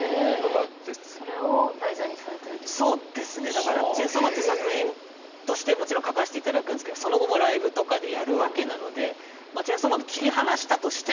だから「チェンソーマン」って作品としてもちろん書かして頂くんですけどその後もライブとかでやるわけなのでなるほどね。